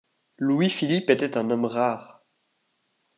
Louis-Philippe était un homme rare.